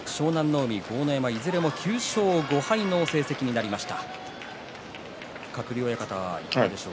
海、豪ノ山いずれも９勝５敗の成績になりました。